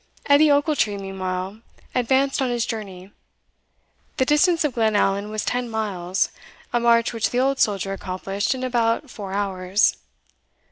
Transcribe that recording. Edie Ochiltree meanwhile advanced on his journey. The distance to Glenallan was ten miles, a march which the old soldier accomplished in about four hours.